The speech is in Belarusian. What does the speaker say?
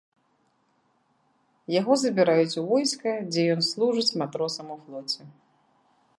Яго забіраюць у войска, дзе ён служыць матросам у флоце.